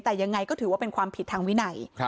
แต่ยังไงก็ถือว่าเป็นความผิดทางวินัย